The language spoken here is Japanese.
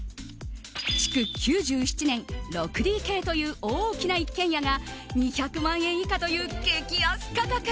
築９７年、６ＤＫという大きな一軒家が２００万円以下という激安価格。